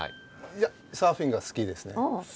いやサーフィンが好きですね。